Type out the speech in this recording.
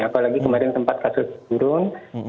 apalagi kemarin tempat kasus turun